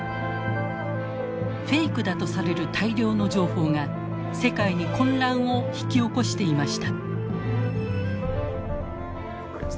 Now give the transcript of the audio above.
フェイクだとされる大量の情報が世界に混乱を引き起こしていました。